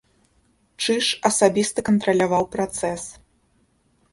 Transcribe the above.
Чыж асабіста кантраляваў працэс.